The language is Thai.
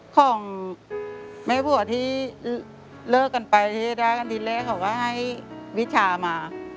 ของแม่ว่าที่เลิกกันไปที่รายการที่แรกเขาก็ให้วิชามา